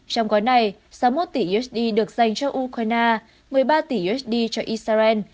trong gói này sáu mươi một tỷ usd được dành cho ukraine một mươi ba tỷ usd cho israel